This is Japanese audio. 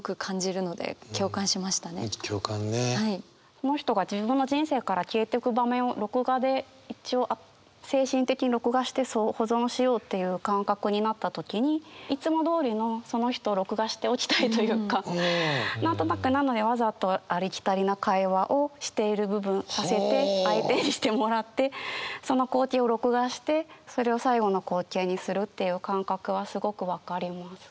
その人が自分の人生から消えてく場面を録画で一応精神的に録画して保存しようっていう感覚になった時に何となくなのでわざとありきたりな会話をしている部分させて相手にしてもらってその光景を録画してそれを最後の光景にするっていう感覚はすごく分かります。